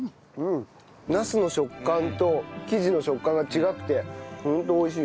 ナスの食感と生地の食感が違くてホント美味しい。